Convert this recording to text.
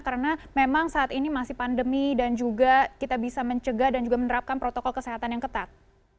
karena memang saat ini masih pandemi dan juga kita bisa mencegah dan juga menerapkan protokol kesehatan yang ketat